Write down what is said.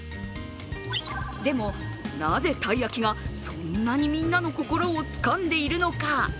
でも、なぜたい焼きがそんなにみんなの心をつかんでいるのか。